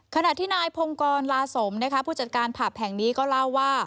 ขณะที่นายพงกรลาสมผู้จัดการผับแห่งนี้ก็เล่าว่า